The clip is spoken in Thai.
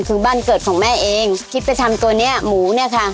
คือบ้านเกิดของแม่เองที่ไปทำตัวเนี้ยหมูเนี่ยค่ะ